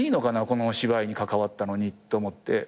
この芝居に関わったのにと思って。